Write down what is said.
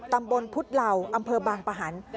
ตำบลพุทธเหล่าอำเภอบางปะหัน